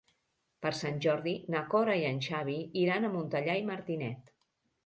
Per Sant Jordi na Cora i en Xavi iran a Montellà i Martinet.